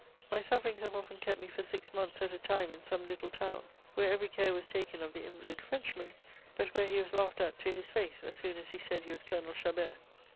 My sufferings have often kept me for six months at a time in some little town, where every care was taken of the invalid Frenchman, but where he was laughed at to his face as soon as he said he was Colonel Chabert.